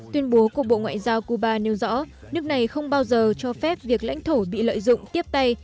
tuyên bố của bộ ngoại giao cuba nêu rõ nước này không bao giờ cho phép việc lãnh thổ bị lợi dụng tiếp tay